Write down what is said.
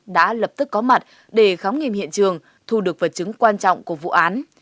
đã lập tức có mặt để khám nghiệm hiện trường thu được vật chứng quan trọng của vụ án